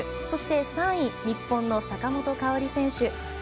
そして３位、日本の坂本花織選手。